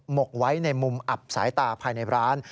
กไว้ในมุมอับสายตาภายในร้าน